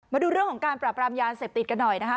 มาดูเรื่องของการปราบรามยาเสพติดกันหน่อยนะคะ